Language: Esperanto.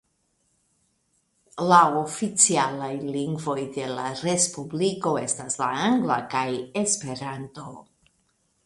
La oficialaj lingvoj de la respubliko estas la angla kaj Esperanto.